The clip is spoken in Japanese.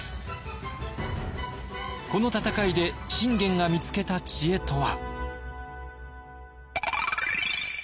この戦いで信玄が見つけた知恵とは。